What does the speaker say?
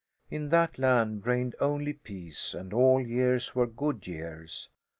In that land reigned only peace, and all years were good years.